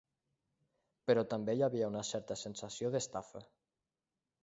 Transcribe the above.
Però també hi havia una certa sensació d'estafa.